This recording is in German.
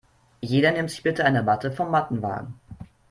Jeder nimmt sich bitte eine Matte vom Mattenwagen.